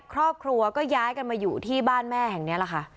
ครอบครัวก็ย้ายกันมาอยู่ที่บ้านแม่แห่งนี้แหละค่ะ